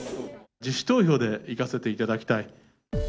自主投票でいかせていただきたい。